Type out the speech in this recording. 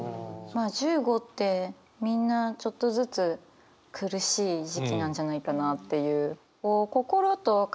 まあ１５ってみんなちょっとずつ苦しい時期なんじゃないかなっていう。